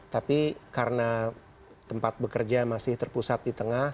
tapi karena tempat bekerja masih terpusat di tengah